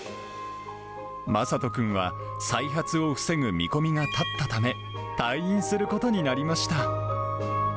まさとくんは、再発を防ぐ見込みが立ったため、退院することになりました。